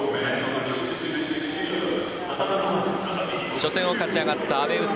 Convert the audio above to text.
初戦を勝ち上がった阿部詩。